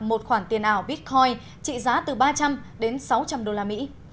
một khoản tiền ảo bitcoin trị giá từ ba trăm linh đến sáu trăm linh đô la mỹ